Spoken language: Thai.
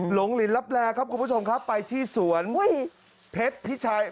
หลินลับแลครับคุณผู้ชมครับไปที่สวนเพชรพิชัย